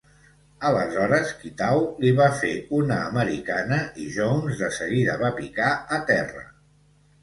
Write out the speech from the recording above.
Aleshores, Kitao li va fer una americana i Jones de seguida va picar a terra.